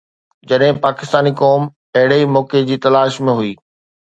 جڏهن پاڪستاني قوم اهڙي ئي موقعي جي تلاش ۾ هئي.